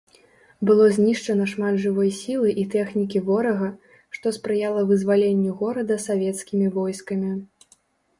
Было знішчана шмат жывой сілы і тэхнікі ворага, што спрыяла вызваленню горада савецкімі войскамі.